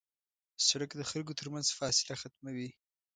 سړک د خلکو تر منځ فاصله ختموي.